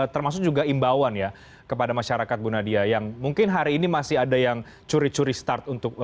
termasuk juga imbauan ya kepada masyarakat bu nadia yang mungkin hari ini masih ada yang curi curi start untuk